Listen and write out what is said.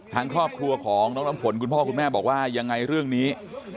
ทางครอบครัวของน้องน้ำฝนคุณพ่อคุณแม่บอกว่ายังไงเรื่องนี้